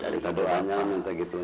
minta doanya minta gitu